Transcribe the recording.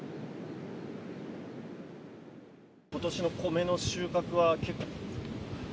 ことしの米の収穫は。